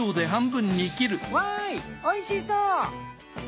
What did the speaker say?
わいおいしそう！